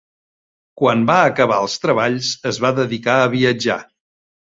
Quan va acabar els treballs es va dedicar a viatjar.